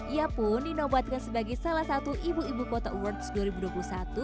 ia pun dinobatkan sebagai salah satu ibu ibu kota awards dua ribu dua puluh satu